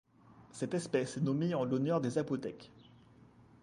Cette espèce est nommée en l'honneur des Zapotèques.